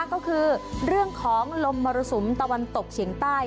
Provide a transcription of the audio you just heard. ก็คือเรื่องของลมมรสุมตะวันตกเฉียงใต้